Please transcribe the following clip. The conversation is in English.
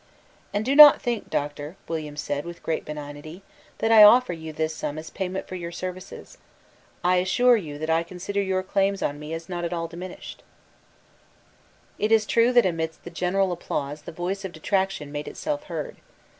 "And do not think, Doctor," William said, with great benignity, "that I offer you this sum as payment for your services. I assure you that I consider your claims on me as not at all diminished." It is true that amidst the general applause the voice of detraction made itself heard.